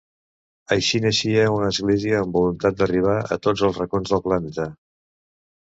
Així naixia una església amb voluntat d'arribar a tots els racons del planeta.